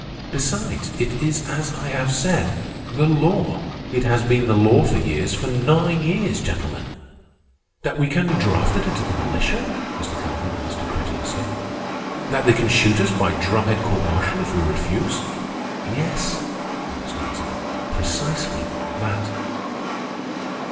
Besides, it is as I have said, the law. It has been the law for years, for nine years, gentlemen." "That we can be drafted into the militia?" Mr. Calvin asked incredulously. "That they can shoot us by drumhead court martial if we refuse?" "Yes," Ernest answered, "precisely that."